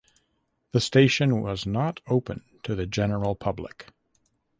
The station was not open to the general public.